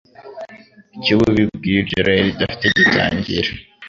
cy’ububi bw’iryo rari ridafite gitangira.